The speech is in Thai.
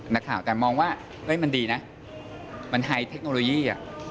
นักข่าวแต่มองว่ามันดีนะมันไฮเทคโนโลยี